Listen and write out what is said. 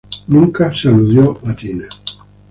Tina nunca es aludida.